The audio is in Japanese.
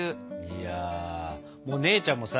いやもう姉ちゃんもさ